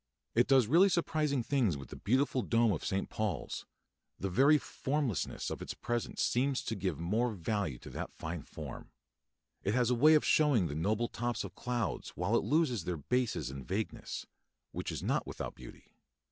It does really surprising things with the beautiful dome of St. Paul's; the very formlessness of its presence seems to give more value to that fine form. It has a way of showing the noble tops of clouds while it loses their bases in vagueness, which is not without beauty.